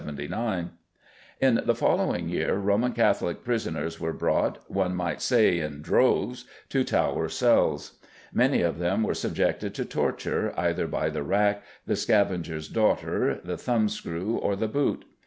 In the following year Roman Catholic prisoners were brought, one might say in droves, to Tower cells. Many of them were subjected to torture either by the rack, the "Scavenger's Daughter," the thumbscrew, or the boot.